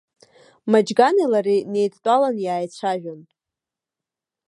Маџьганеи лареи неидтәалан иааицәажәан.